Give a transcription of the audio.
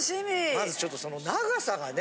まずちょっとその長さがね。